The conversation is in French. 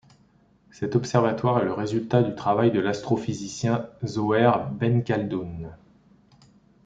Cet observatoire est le résultat du travail de l’astrophysicien Zouhair Benkhaldoun.